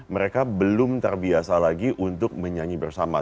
mereka belum terbiasa lagi untuk menyanyi bersama